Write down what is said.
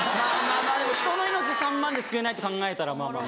人の命３万で救えないって考えたらまぁまぁ。